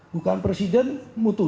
bukan presiden mutusin